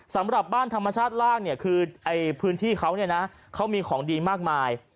สำหรับบ้านธรรมชาติล่างเนี่ยคือพื้นที่เขาเนี่ยนะเขามีของดีมากมาย